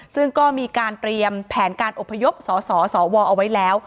ซึ่งก็มีการเตรียมแผนการอบพยพสสวเอาไว้แล้ว